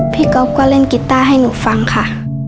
ก๊อฟก็เล่นกีต้าให้หนูฟังค่ะ